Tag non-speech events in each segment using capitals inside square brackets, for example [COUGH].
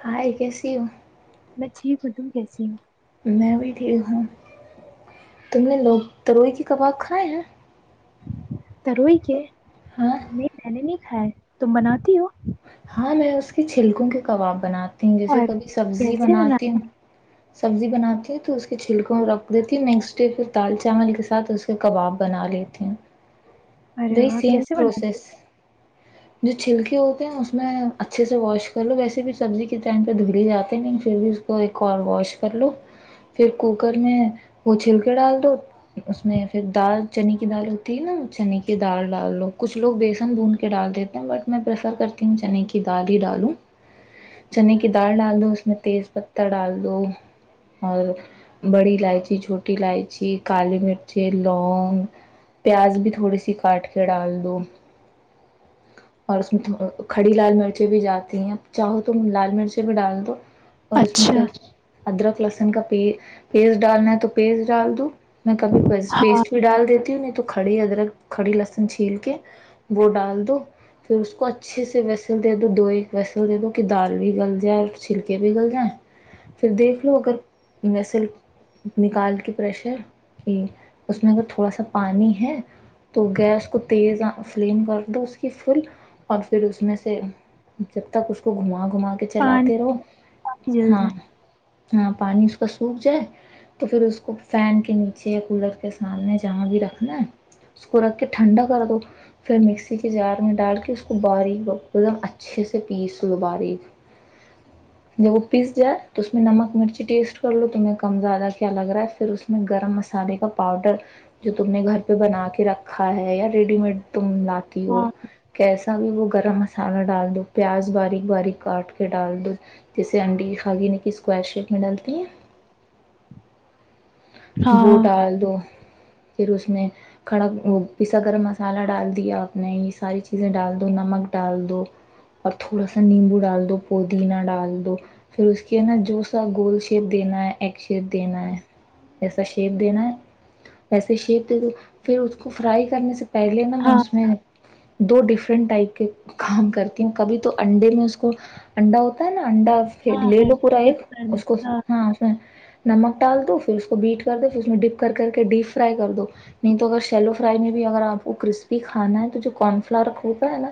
ہاں ایک کیسی ہو میں ٹھیک ہوں توں کیسی ہوں میں بھی ٹھیک ہوں تم نے لوگ تروئی کے کباب کھائے ہیں ترو کے ہاں نہیں نہیں نہیں نہیں [UNINTELLIGIBLE] تم بناتی ہو ہاں میں اس کی چھلکوں کے کباب بناتی جیسے اور کبھی سبزی کیسے بنا بناتی ہوں سبزی بناتی ہیں تو اس کے چھلکوں رکھ دیتی ہ مکسٹ پھر دال چاول کے ساتھ اس کا کباب بنا لیتی ہوں ارے د واہ سیم کیسے بناتے پروسس [UNINTELLIGIBLE] جو چھلکی ہوتی اس میں اچھے سے واش کر لو ویسے بھی سبزی کے ٹائم پہ دھگللی جاتے نہیں پھر بھی اس کو ایک اور واش کر لو پھر کوکر میں وہ چھل کے ڈال دو اس میں پھر دال چنے کی دال ہوتی ہے نا چنے کی دال ڈال لو کچھ لوگ بیسن بھون کے ڈال دیتے ہیں بٹ میں پریفر کر چنے کی دال ہی ڈالوں چنے کی دال ڈال دو اس میں تیز پتہ ڈال دو اور بڑی الائچی چھوٹی الائچی کالی مرچی لونگ پیاز بھی تھوڑی سی کاٹ کے ڈال دو اور اس میں تھ کھڑی لال مرچیں بھی جاتی ہیں چاہو تو لال مرچ بھی ڈال دو اور اس میں اچھا پھر ادرک لہسن کا پ پیس ڈالنا ہے تو پیس ڈال دو میں کبھی پیسٹ ہاں بھی ڈال دیتی ہوں نہیں تو کھڑی ادرک کھڑی لہسن چھیل کے وہ ڈال دو پھر اس کو اچھے سے ویسل دے دو دو ایک ویسل دے دو کہ دال بھی گل جائے اور چھلکے بھی گل جائے پھر دیکھ لو اگر ویسل نکال کے پریشر کہ اس میں اگر تھوڑا سا پانی ہے تو گیس کو تیز فلیم کر دو اس کی فل اور پھر اس میں سے جب تک اس کو گھما گھما کے چلاتے پانی رہو جلد ہاں ہے پانی اس کا سوکھ جائے تو پھر اس کو فین کے نیچے یا کولر کے سامنے جہاں بھی رکھنا ہے اس کو رکھ کے ٹھنڈا کر دو پھر مکسی کے جار میں ڈال کے اس باریک ایک دم اچھے سے پیس لو باریک جب وہ پیس جائے تو اس میں نمک مرچی ٹیسٹ کر لو تمہیں کم زیادہ کیا لگ رہا ہے پھر اس میں گرم مسالے کا پاؤڈر جو تم نے گھر پہ بنا کے رکھا ہے یا ریڈی میڈ تم لاتی ہو ہاں کیسے سبھی وہ گرم مسالہ ڈال دو پیاز باریک باریک کاٹ کے ڈال دو جیسے انڈی خاگینے کی اسکور شیپ میں ڈالتی ہے بو ہاں ڈال دو پھر اس میں کھڑا وہ پیسا گرم مسالہ ڈال دیا آپ نے یہ ساری چیزیں ڈال دو نمک ڈال دو اور تھوڑا سا نیمبو ڈال دو پودینہ ڈال دو پھر اس کے نا جو سا گول شیپ دینا ہے ای شیپ دینا ہے ایسا شیپ دینا ہے ایسے شیپ دے پھر اس کو فرائی کرنے سے پہلے نا ہاں موس میں [UNINTELLIGIBLE] دو ڈفرنٹ ٹائپ کے کام کرتی ہیں کبھی تو انڈے میں اس کو انڈا ہوتا ہے نا انڈا پ ہاں لے ہاں لو پورا ایک ڈپ کر دے اس کو ہاں اس میں نمک ڈال دو پھر اس کو بیٹ کر دو پھر اس میں ڈپ کر کر کے ڈیپ فرائی کر دو نہیں تو اگر سیلو فرائی میں بھی اگر آپ کو کرسپی کھانا ہے تو جو کارن فلاور ہوتا ہے نا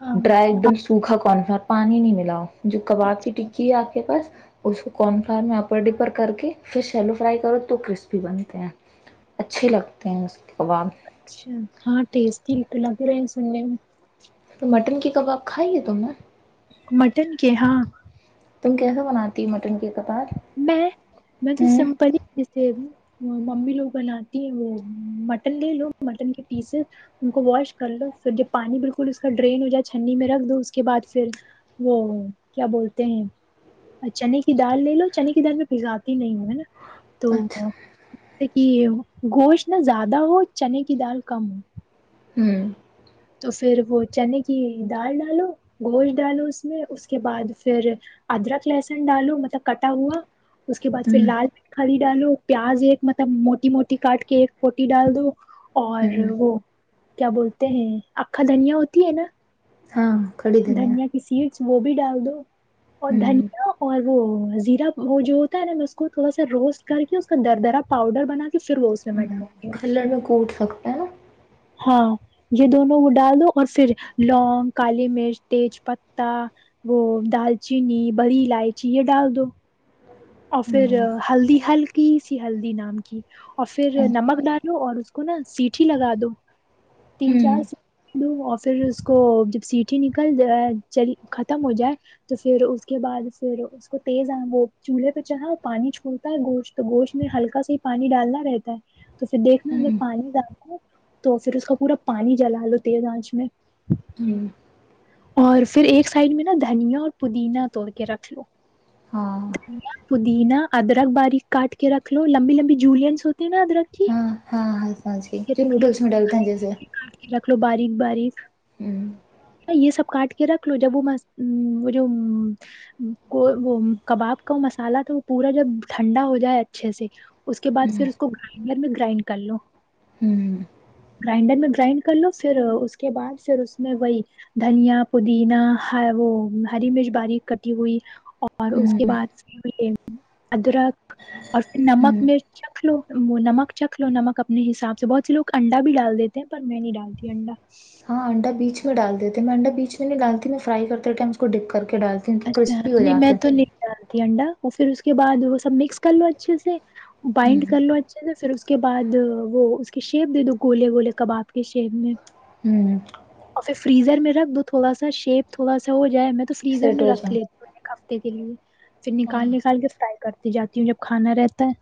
ہاں ڈرائی ایک دم سوکھا کارن فلاور پانی نہیں ملا ہو جو ہاں کباب کی اچھا ٹکی ہے آپ کے پاس اس کو کارن فلاور میں اپر ڈپر کر کے پھر سیلو فرائی کرو تو کرسپی بنتے ہیں اچھے لگتے ہیں اس کے کباب اچھا ہاں ٹیسٹی لگ رہے ہیں سننے میں تو مٹن کے کباب کھائی ہے تو میں مٹن کے ہاں تم کیسے بناتی مٹن کے کپار میں میں تو سمپنی جسے ممی لوگ بناتی ہے وہ مٹن لے لو مٹن کے پیس ان کو واش کر لو پھر جب پانی بالکل اس کا ڈرین ہو جائے چھنی میں رکھ دو اس کے بعد پھر وہ کیا بولتے ہیں چنے کی دال لے لو چنی کی در میں پزاتی نہیں ہوں ہے نا تو اچھا کہ گوشت نہ زیادہ ہو چنے کی دال کم ہو ہوں تو پھر وہ چنے کی دال ڈالو گوشت ڈالو اس میں اس کے بعد پھر ادرک لہسن ڈالو مطلب کٹا ہوا اس کے بعد پھر ہوں لال پیٹ کھ ڈالو پیاز ایک مطلب موٹی موٹی کاٹ کے ایک پوٹی ڈال دوں اور ہوں وہ کیا بولتے ہیں اکھا دھنیا ہوتی ہے نا ہاں دھنیا کسی وہ بھی ڈال دو اور ہوں دھنیہ اور وہ زیرہ وہ جو ہوتا ہے نا اس کو تھوڑا سا روسٹ کر کے اس کا در درا پاؤڈر بنا کے پھر وہ اس میں میں ہ ڈالتی ہوں کلڑ میں کو اٹھ سکتا ہے ہاں یہ دونوں وہ ڈال دو اور پھر لونگ کالی مرچ تیج پتہ وہ دال چینی بڑی الائچی یہ ڈال دو اور پھر ہوں ہلدی ہلکی ہلدی نام کی اور پھر نمک ڈالو اور اس کو نا سیٹھی لگا دو تین ہوں چار دو اور پھر اس کو جب سیٹیھی نکل جائے چلی ختم ہو جائے تو پھر اس کے بعد پھر اس کو تیز وہ چولہے پہ چڑھا پانی چھولتا ہے گوشت تو گوشت میں ہلکا سا ہی پانی ڈالنا رہتا ہے تو پھر دیکھنا اگر ہوں ہوں پانی ڈالو تو پھر اس کا پورا پانی جلا لو تیز آنچ میں ہوں اور پھر ایک سائڈ میں نا دھنیا اور پودینا توڑ کے رکھ لو ہاں دھنیا پودینا ادرک باریک کاٹ کے رکھ لو لمبی لمبی جولینس ہوتے ہیں نا ادرک کی ہاں ہاں ہاں ساں جی یہ جو رکھ نوڈلس میں ڈالتا جی سر ب باریک یہ سب کاٹ کے رکھ لو جب وہ وہ وہ کباب کا وہ مسالا تھا وہ پورا جب ٹھنڈا ہو جائے اچھے سے اس کے بعد ہوں پھر اس کو گرائنڈر میں گرائنڈ کر لو ہوں گرائنڈر میں گرائنڈ کر لو پھر اس کے بعد پھر اس میں وہی دھنیا پودینا وہ ہری مرچ باری کٹی ہوئی اور اس کے بعد [INAUDIBLE] ادرک اور ہوں نمک میں چکھ لو نمک چکھ لو نمک اپنے حساب سے بہت سے لوگ انڈا بھی ڈال دیتے ہیں پر میں نہیں ڈالتی انڈا ہاں انڈا بیچ میں ڈال دیتے میں انڈا بیچ میں ڈالتیھی میں فرائی کرتے ٹائم اس کو ڈپ کر ڈالتے ہیں تو کرسپی ہو جاتے ہیں تھی انڈا وہ پھر اس کے بعد وہ سب مکس کر لو اچھے سے بائنڈ ہوں کر لو آج پھر اس کے بعد وہ اس کی شیپ دے دو گوولے گولے کباب کے شیپ میں ہوں [INAUDIBLE] اور فریزر میں رکھ دو تھوڑا سا شیپ تھوڑا سا ہو جائے میں تو ادھر سیٹ میں ہو جاؤ رکھ لیتی کے لیے [INAUDIBLE] پھر ہاں نکال نکال کے فرائی کرتے جاتی ہوں جب کھانا رہتا ہے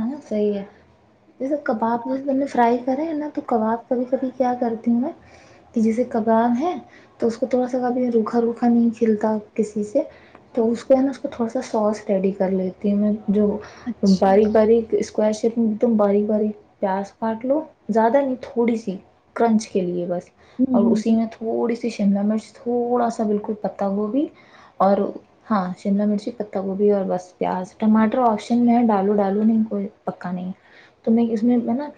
ہ صی ہے [INAUDIBLE] جیسے کباب ہاں جیسے نے فرائی کریں نا تو کباب کبھی کبھی کیا کرتی ہوں میں کہ جیسے کباب ہے تو اس کو تھوڑا سا کبھی روکھا روکھا نہیں کھلتا کسی سے تو اس پہ ہے نا اس کو تھوڑا سا سوس ریڈی کر لیتی ہوں میں جو اچھا باریک باریک اسکور شیپ میں ایک دم باری باری پیاز کاٹ لو زیادہ نہیں تھوڑی سی کرنچ کے لیے بس ہوں اور ہوں اسی میں تھوڑی سی اس شملہ مرچ تھوڑا سا بالکل پتتا گوبھی اور ہاں شملہ مرچی پتہ گوبھی اور بس پیاز ٹماٹر آپشن میں ہے ڈالو ڈالو نہیں کوئی پکا نہیں ہے تو میں اس میں میں نا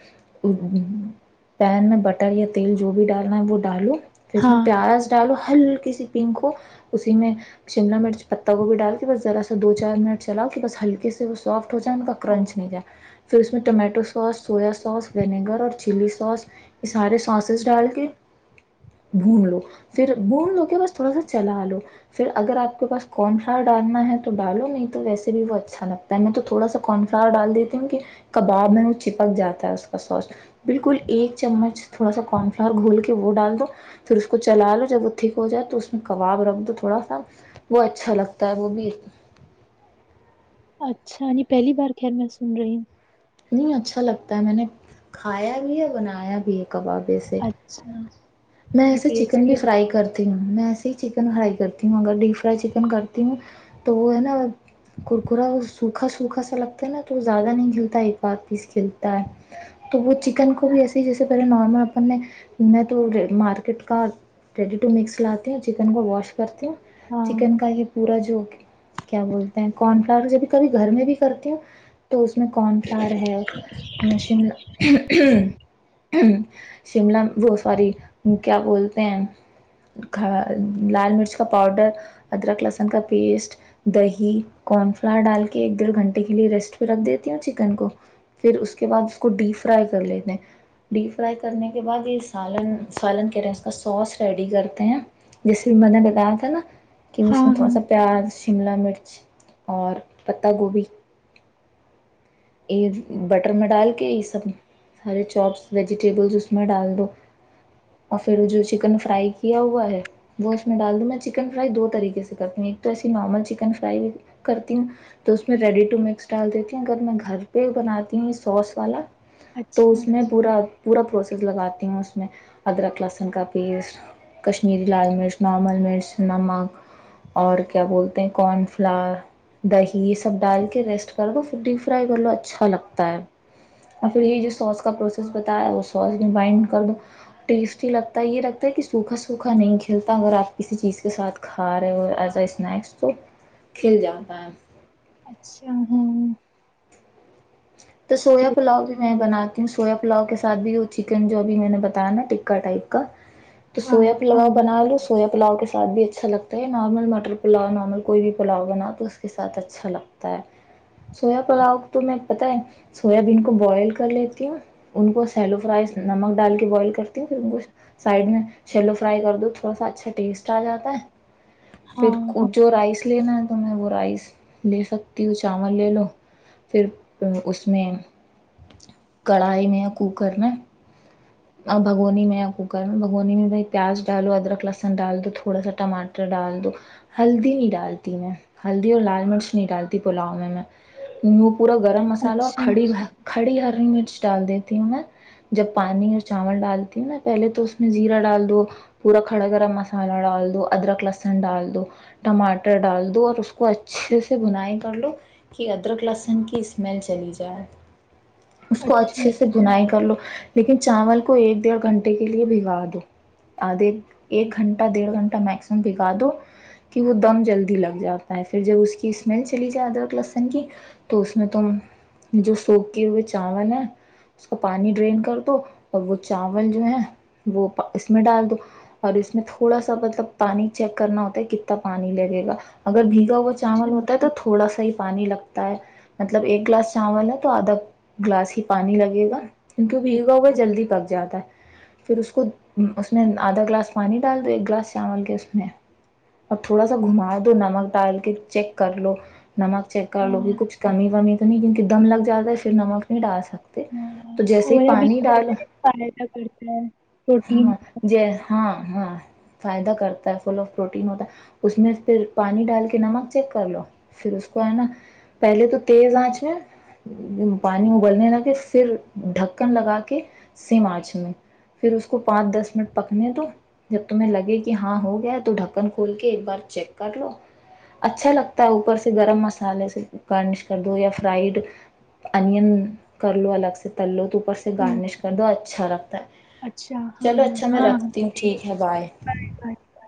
پین میں بٹر یا تیل جو بھی ڈالنا ہے وہ ڈالوں پھر اس میں ہاں پیاز ڈالو ہلکی سی پنک ہو اسی میں شملا مرچ پتہ کو بھی ڈال کے بس ذرا سا دو چار منٹ چلاؤ کے بس ہلکے سے وہ سافٹ ہو جائے ان کا کرنچ اس tomato sauce soya sauce vinegar اور چلی سوس یہ سارے سوسز ڈال کے بھون لو پھر بھون لو کے بس تھوڑا سا چلا لو پھر اگر آپ کے پاس کون فار ڈالنا ہے تو ڈالو نہیں تو ویسے بھی وہ اچھا لگتا ہے میں تو تھوڑا سا کن فور ڈال دیتی ہوں کہ کباب میں ن چپک جاتا ہے اس کا سوس بالکل ایک چمچ تھوڑا سا کارن فلاور گھول کے وہ ڈال دو پھر اس کو چلا لو جب وہ ٹھک ہو جائے تو اس میں کباب رکھ دو تھوڑا سا وہ اچھا لگتا ہے وہ بھی اچھا پہلی بار خیر میں سن رہی ہوں نہیں اچھا لگتا ہے میں نے کھایا بھی ہے بنایا بھی ہے کباب ایسے اچھا میں ہاں ایے چکن ٹیسٹی بھی فرائی کرتی ہ میں ایسے ہی چکن فرائی کرتی ہوں اگر ڈیپ فرائی چکن کرتی ہوں تو وہ ہے نا کرکا سوکھا سوکھا سا لگتا ہے نا تو زیادہ نہیں کھلتا ہے ایک بار پیس کھلتا ہے تو وہ چکن کو بھی ایسے ہی جیسے پہلے نارمل اپن میں تو مارکیٹ کا ریڈی ٹو مکس لاتی ہ چکن کو واش کرتے ہو ہاں چکن کا یہ پورا جو کیا بولتے ہیں کارن فلاور جب کبھی گھر میں بھی کرتے ہو تو اس میں کون فار ہے مش ہ شملہ وہ ساری وہ کیا بولتے ہیں کھا لال مرچ کا پاؤڈر ادرک لہسن کا پیسٹ دہی کارن فلر ڈال کے ایک ڈیڑھ گھنٹے کے لیے ریسٹ پہ رکھ دیتی ہوں چکن کو پھر اس کے بعد اس کو ڈیپ فرائی کر لیتے ہیں ڈیپ فرائی کرنے کے بعد یہ سالن پالن کرے اس کا سوس ریڈی کرتے ہیں جیسے بھی میں نے بتایا تھا نا کہ ہاں اس نے تھوڑا ہاں سا پیاز شملہ مرچ اور پتہ گوبھی بٹر میں ڈال کے یہ سب سارے چوپس ویجیٹیبلس اس میں ڈال دو اور پھر جو چکن فرائی کیا ہوا ہے وہ اس میں ڈال دو میں چکن فرائی دو طریقے سے کرتی ہوں ایک تو ایسی نارمل چکن فرائی کرتی ہوں تو اس میں ریڈی ٹو مکس ڈال دیتی ہوں اگر میں گھر پہ بناتی ہ سوس والا تو اچھا اس میں پورا پورا پروسیس لگاتی ہوں اس میں ادرک لہسن کا پیسٹ کشمیری لال مرچ نارمل مرچ نمک اور کیا بولتے ہیں کارن فلاور دہی یہ سب ڈال کے ریسٹ کر دو ففٹی فرائی کر لو اچھا لگتا ہے اور پھر یہی جو سوس کا پروسیس بتایا ہے وہ سوس گمبائنڈ کر دوو ٹیسٹی لگتا ہے یہ لگتا ہے کہ سوکھا سوکھا نہیں کھلتا اگر آپ کسی چیز کے ساتھ کھا رہے ہو ایز ا اسنیکس تو کھل جاتا ہے اچھا ہاں تو سویا ٹیس پلاؤ بھی میں بناتی ہوں سویا پلاؤ کے ساتھ بھی وہ چکن جو اب میں نے بتایا نا ٹکا ٹائپ کا تو ہاں سویا پلاو بنا لو سویا پلاؤ کے ساتھ بھی اچھا لگتا ہے نارمل مٹر پلاؤ نارمل کوئی بھی پلاؤ بنا تو اس کے ساتھ اچھا لگتا ہے سویا پلاؤ تو میں پت ہے سویا بین کو بوائل کر لیتی ہوں ان کو سیلو فرائی نمک ڈال کے بوائل کرتی ہوں پھر ان کو سائڈ میں سیلو فرائی کر دو تھوڑا سا اچھا ٹیسٹ آ جاتا ہے پھر ہاں کچو رائس لینا ہے تو میں وہ رائس لے سکتی ہوں چاول لے لو پھر اس میں کڑھائی میں یا کوکر میں بھگونی میں یا کوکر میں بگونی میں بھائی پیاز ڈالو ادرک ل لہسن ڈال دو تھوڑا سا ٹماٹر ڈال دو ہلدی نہیں ڈالتی میں ہلدی اور لال مرچ نہیں ڈالتی پلاؤ میں وہ پورا گرم مسالہ اور اچھا کھڑی کڑی ہے [UNINTELLIGIBLE] ٹری مرچ ڈال دیتی ہوں میں جب پانی اور چاول ڈالتی ہوں ن پہلے تو اس میں زیرا ڈال دو پورا کھڑا گرم مسالہ ڈال دو ادرک لسن ڈال دو ٹماٹر ڈال دو اور اس کو اچھے سے بنائی کر لو کہ ادرک لہسن [UNINTELLIGIBLE] اسل چلی جائے اس کو اچھا اچھے سے بنائی کر لو [UNINTELLIGIBLE] لیکن چاول کو ایک ڈڑھ گھنٹے کے لیے بھگا دو آدھے ایک گھنٹہ ڈیڑھ گھنٹہ میکسمم بھگا دو کہ وہ دم جلدی لگ جاتا ہے پھر جب اس کی اسمیل چلی جائے ادرک لہسن کی تو اس [UNINTELLIGIBLE] اس میں تم جو سوپ کی ہوئے چاول ہے اس کو پانی ڈرین کر دو اور وہ چاول جو ہے وہ اس میں ڈال دو اور اس میں تھوڑا سا مطلب پانی چیک کرنا ہوتا ہے کتنا پانی لگے گا اگر بھی [UNINTELLIGIBLE] وہ چاول اچھا ہوتا ہے تو تھوڑا سا ہی [UNINTELLIGIBLE] پانی لگتا ہے [UNINTELLIGIBLE] مطلب ایک گلاس چاول ہے تو آدھا گلاس ہی پانی لگے گا [UNINTELLIGIBLE] کیونکہ بھیگا ہوا جلدی پک جاتا ہے پھر اس کو اس میں آدھا گلاس [UNINTELLIGIBLE] پانی ڈال دو ایک گلاس چاول کے اس میں اور تھوڑا سا گھما دو نمک ڈال کے چیک کر لو [UNINTELLIGIBLE] نمک چیک کر لو گی ہاں کچھ [UNINTELLIGIBLE] می تو نہیں کیونکہ دم لگ جاتا ہے پھر نمک نہیں ڈال سکتا [UNINTELLIGIBLE] تو ہاں جیسے ہی سویا بین پانی ڈالو ویسے بھی فائدہ کرتا ہے پروٹین ہاں ج ہاں [UNINTELLIGIBLE] ہاں فائدہ کرتا ہے فل آف پروٹین ہوتا ہے اس میں پھر پانی ڈال کے نمک چیک کر لو پھر اس کو ہے نا [UNINTELLIGIBLE] پہلے تو تیز آنچ میں پانی ابلنے ل کے پھر ڈھکن لگا کے سم آنچ میں پھر اس کو پانچ دس منٹ پکنے دو جب تمہیں لگے کہ ہاں ہو گیا ہے تو ڈھکن کھول کے ایک بار چیک کر لو اچھا لگتا ہے اوپر سے گرم مسالے س گارنش کر دو یا فرائڈ انین کر لو الگ سے تل لو تو [UNINTELLIGIBLE] سے ہوں گارنش کر دو اچھا رکھتا ہے اچھا چلو ہاں اچھا میں ہاں رکھتی ہوں ٹھیک ہے بائے ہے [UNINTELLIGIBLE]